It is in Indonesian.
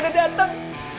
udah pada dateng